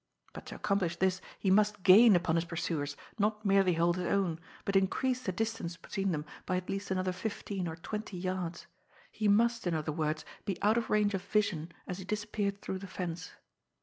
But to accomplish this he must gain upon his pursuers, not merely hold his own, but increase the distance between them by at least another fifteen or twenty yards; he must, in other words, be out of range of vision as he disappeared through the fence.